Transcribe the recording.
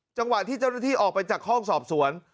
จังหวะที่เจ้าหน้าที่ออกไปจากห้องสอบสวน